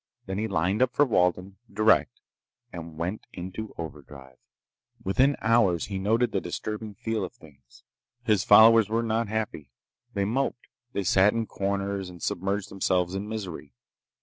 Then he lined up for Walden, direct, and went into overdrive. Within hours he noted the disturbing feel of things. His followers were not happy. They moped. They sat in corners and submerged themselves in misery.